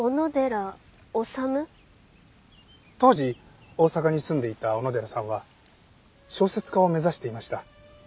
当時大阪に住んでいた小野寺さんは小説家を目指していました。